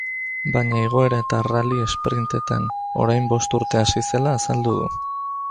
Baina igoera eta rally sprint-etan orain bost urte hasi zela azaldu du.